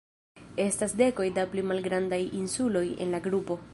Estas dekoj da pli malgrandaj insuloj en la grupo.